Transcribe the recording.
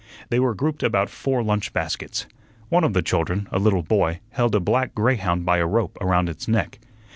They were grouped about four lunch baskets. One of the children, a little boy, held a black greyhound by a rope around its neck.